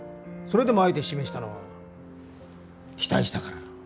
それでもあえて指名したのは期待したから。